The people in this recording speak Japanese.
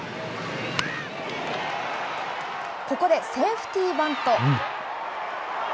ここでセーフティーバント。